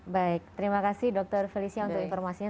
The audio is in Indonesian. baik terima kasih dokter felicia untuk informasinya